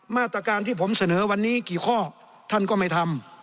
มาตรการที่ผมเสนอวันนี้กี่ข้อท่านก็ไม่ทำ